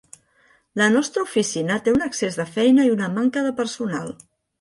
La nostra oficina té un excés de feina i una manca de personal.